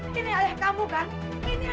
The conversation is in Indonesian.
kananda tapi dia harus keluar dari rumah kita